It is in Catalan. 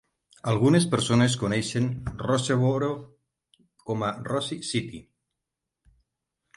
Algunes persones coneixen Roseboro com a Rosie City.